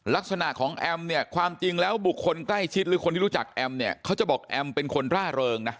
ลักษณะของแอมเนี่ยความจริงแล้วบุคคลใกล้ชิดหรือคนที่รู้จักแอมเนี่ยเขาจะบอกแอมเป็นคนร่าเริงนะ